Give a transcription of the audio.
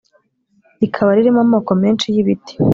rikaba ririmo amoko menshi y’ibiti,